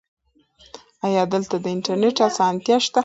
ایا دلته د انټرنیټ اسانتیا شته؟